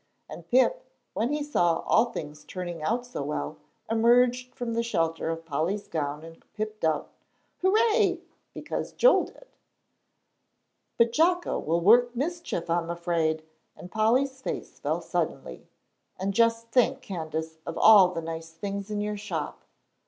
And Pip, when he saw all things turning out so well, emerged from the shelter of Polly's gown and piped out "Hooray," because Joel did. "But Jocko will work mischief, I'm afraid," and Polly's face fell suddenly, "and just think, Candace, of all the nice things in your shop."